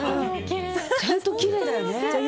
ちゃんときれいだよね。